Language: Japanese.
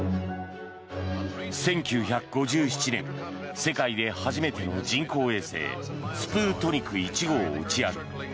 １９５７年世界で初めての人工衛星スプートニク１号を打ち上げ